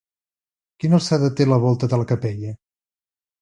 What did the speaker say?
Quina alçada té la volta de la capella?